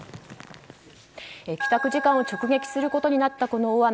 帰宅時間を直撃することになったこの大雨。